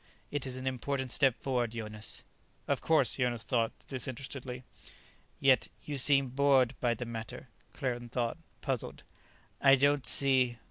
It is an important step forward, Jonas." "Of course," Jonas thought disinterestedly. "Yet you seem bored by the matter," Claerten thought, puzzled. "I don't see